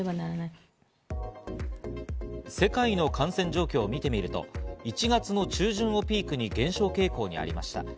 世界の感染状況を見てみると、１月の中旬をピークに減少傾向にありました。